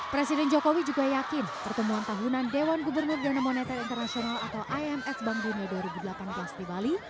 presiden jokowi juga yakin pertemuan tahunan dewan gubernur dana moneter internasional atau ams bangdunia dua ribu delapan di kastriwali